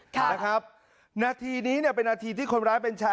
ครับแล้วนี้ครับนักทีนี้เป็นนักทีที่คนร้ายเป็นชาย